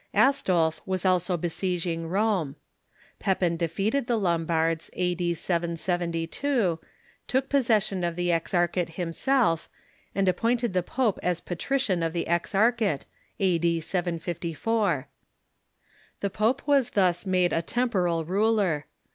Astolph was also besieging Rome. Pepin de feated the Lombards, a.d, 772, took possession of the Exarch ate himself, and appointed the pope as patrician of the Ex archate, A.I). 754. The pope was thus made a temporal ruler.